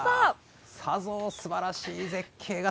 さぞすばらしい絶景が。